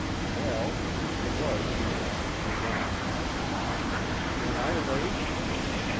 Well, here she was and the scene was on. "Am I late?"